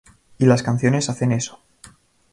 Y las canciones hacen eso.